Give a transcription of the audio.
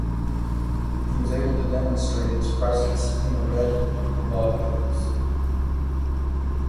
He was able to demonstrate its presence in the red globules.